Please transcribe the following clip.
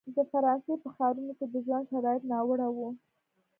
د فرانسې په ښارونو کې د ژوند شرایط ناوړه وو.